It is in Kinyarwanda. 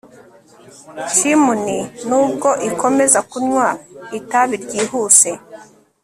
Chimney nubwo ikomeza kunywa itabi ryihuse